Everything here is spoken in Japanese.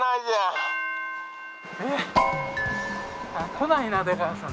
来ないな出川さん